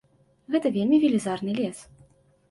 Гэта вельмі велізарны лес.